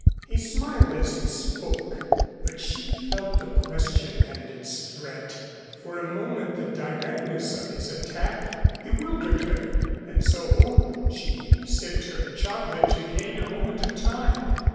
He smiled as he spoke, but she felt the question and its threat. For a moment the directness of his attack bewildered her and so she sipped her chocolate to gain a moment of time.